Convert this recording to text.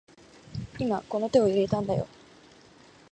今この手に入れたんだよ